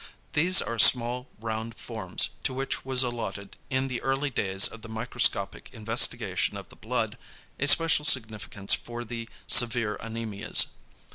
These are small round forms, to which was allotted in the early days of the microscopic investigation of the blood, a special significance for the severe anæmias.